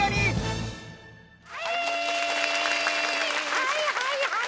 はいはいはい。